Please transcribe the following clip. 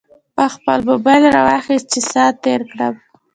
ما خپل موبایل راواخیست چې ساعت تېر کړم.